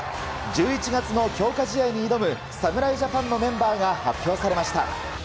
１１月の強化試合に挑む侍ジャパンのメンバーが発表されました。